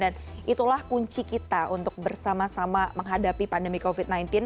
dan itulah kunci kita untuk bersama sama menghadapi pandemi covid sembilan belas